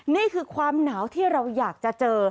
นี่คือความหนาวที่เราอยากจะเจอ